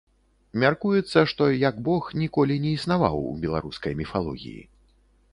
Мяркуецца, што як бог ніколі не існаваў у беларускай міфалогіі.